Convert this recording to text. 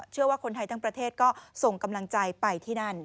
เชื่อว่าคนไทยทั้งประเทศก็ส่งกำลังใจไปที่นั่น